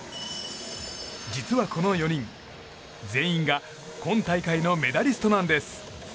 実はこの４人全員が今大会のメダリストなんです。